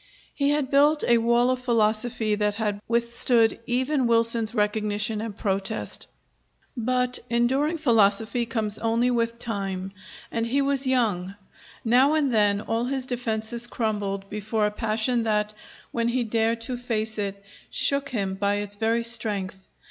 He had built a wall of philosophy that had withstood even Wilson's recognition and protest. But enduring philosophy comes only with time; and he was young. Now and then all his defenses crumbled before a passion that, when he dared to face it, shook him by its very strength.